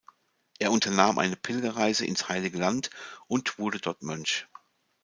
Er unternahm eine Pilgerreise ins Heilige Land und wurde dort Mönch.